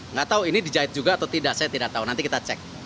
nggak tahu ini dijahit juga atau tidak saya tidak tahu nanti kita cek